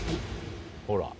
ほら。